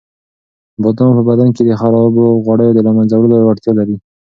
بادام په بدن کې د خرابو غوړیو د له منځه وړلو وړتیا لري.